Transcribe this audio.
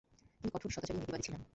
তিনি কঠোর সদাচারী ও নীতিবাদী ছিলেন।